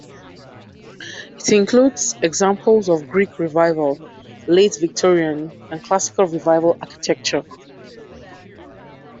It includes examples of Greek Revival, Late Victorian, and Classical Revival architecture.